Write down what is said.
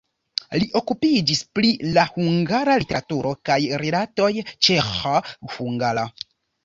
Li okupiĝis pri la hungara literaturo kaj rilatoj ĉeĥa-hungara.